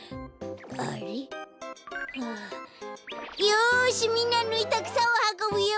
よしみんなぬいたくさをはこぶよ！